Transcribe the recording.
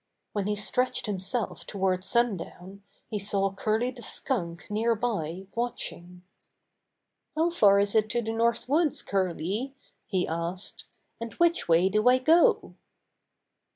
When he stretched himself toward sundown, he saw Curly the Skunk nearby watching. "How far is it to the North Woods, Curly?" he asked. "And which way do I go?"